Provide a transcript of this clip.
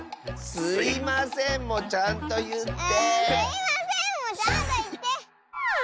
「すいません」もちゃんといって！